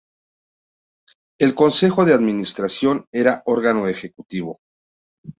El Consejo de Administración era órgano ejecutivo.